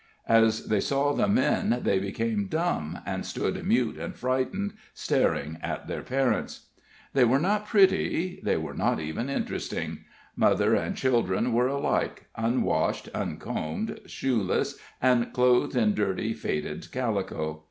As they saw the men they became dumb, and stood mute and frightened, staring at their parents. They were not pretty they were not even interesting. Mother and children were alike unwashed, uncombed, shoeless, and clothed in dirty, faded calico.